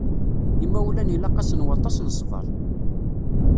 Imawlan ilaq-asen waṭas n ṣṣber.